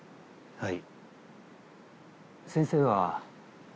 ・はい。